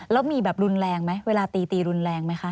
แล้วมีแบบรุนแรงไหมเวลาตีตีรุนแรงไหมคะ